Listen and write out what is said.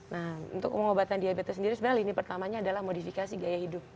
nah untuk pengobatan diabetes sendiri sebenarnya lini pertamanya adalah modifikasi gaya hidup